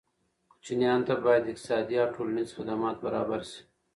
کوچیانو ته باید اقتصادي او ټولنیز خدمات برابر شي.